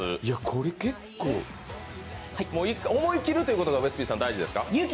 いや、これ結構思い切るっていうことが大事ですか？